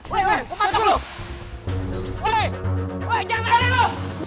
woi jangan lari lo